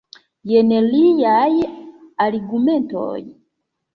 Jen liaj argumentoj.